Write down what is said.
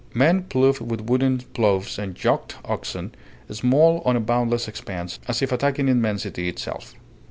Men ploughed with wooden ploughs and yoked oxen, small on a boundless expanse, as if attacking immensity itself.